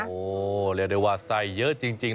โอ้โหเรียกได้ว่าไส้เยอะจริง